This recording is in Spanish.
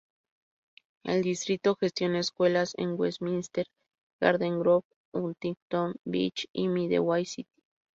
El distrito gestiona escuelas en Westminster, Garden Grove, Huntington Beach, y Midway City.